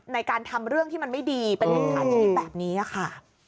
ในการทำเรื่องที่มันไม่ดีเป็นอย่างฐานที่มีแบบนี้อะค่ะ